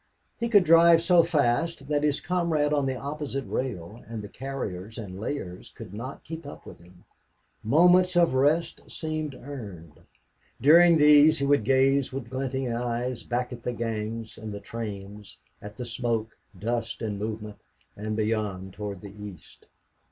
He could drive so fast that his comrade on the opposite rail, and the carriers and layers, could not keep up with him. Moments of rest seemed earned. During these he would gaze with glinting eyes back at the gangs and the trains, at the smoke, dust, and movement; and beyond toward the east.